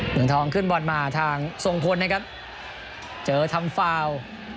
เมืองทองขึ้นบอลมาทางทรงพลนะครับเจอทำฟาว